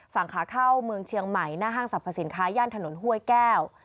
ฝั่งขาเข้าเมืองเชียงใหม่หน้าห้างสรรพสินค้าย่านถนนห้วยแก้ว